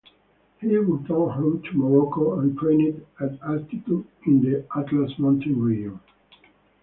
He returned home to Morocco and trained at altitude in the Atlas Mountains region.